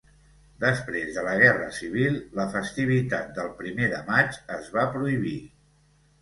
Després de la Guerra Civil, la festivitat del Primer de maig es va prohibir.